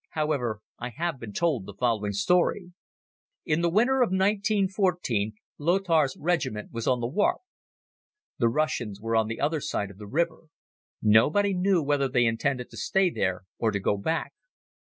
However, I have been told the following story: In the winter of 1914 Lothar's regiment was on the Warthe. The Russians were on the other side of the river. Nobody knew whether they intended to stay there or to go back.